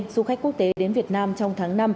du khách quốc tế đến việt nam trong tháng năm